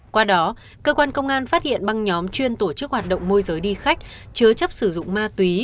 qua đó cơ quan công an phát hiện băng nhóm chuyên tổ chức hoạt động môi giới đi khách chứa chấp sử dụng ma túy